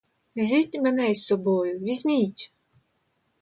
Візьміть мене із собою, візьміть!